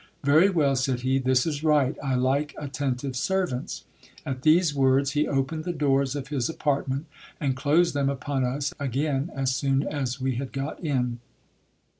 Very well, said he, this is right, I like attentive servants. At these words, he opened the doors of his apartment, and closed them upon us again as soon as we had got in.